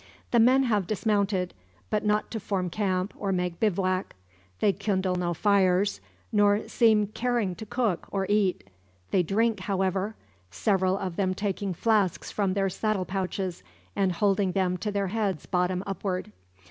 The men have dismounted, but not to form camp, or make bivouac. They kindle no fires, nor seem caring to cook, or eat. They drink, however; several of them taking flasks from their saddle pouches, and holding them to their heads bottom upward.